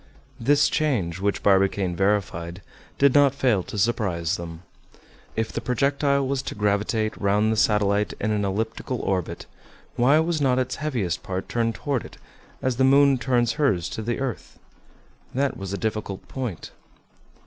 This change, which Barbicane verified, did not fail to surprise them. If the projectile was to gravitate round the satellite in an elliptical orbit, why was not its heaviest part turned toward it, as the moon turns hers to the earth? That was a difficult point.